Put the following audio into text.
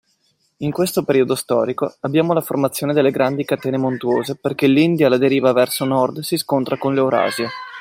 In questo periodo storico abbiamo la formazione delle grandi catene montuose perché l'India alla deriva verso nord si scontra con l'Eurasia.